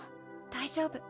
大丈夫。